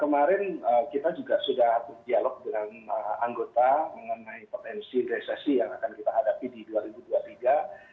kemarin kita juga sudah berdialog dengan anggota mengenai potensi resesi yang akan kita hadapi di dua ribu dua puluh tiga